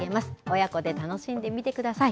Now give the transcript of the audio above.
親子で楽しんでみてください。